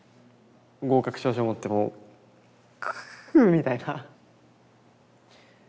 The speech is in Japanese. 合格証書持ってもう「くう」みたいな。